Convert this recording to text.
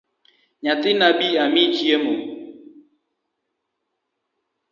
Nyathina bi amiyi chiemo.